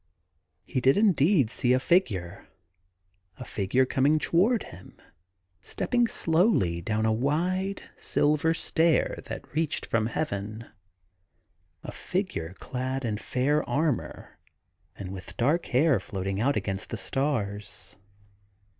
He did indeed see a figure — a figure coming toward him, stepping slowly down a wide silver stair that reached from Heaven— a figure clad in fair armour, and with dark hair floating out against the stars.